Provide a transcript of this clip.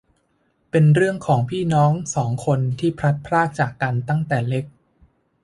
เป็นเรื่องของพี่น้องสองคนที่พลัดพรากจากกันตั้งแต่เล็ก